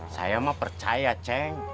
saya mah percaya ceng